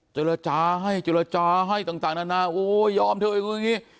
ช่วยเจรจาให้ต่างนานโอ้ยยอมเถอะอย่างงี้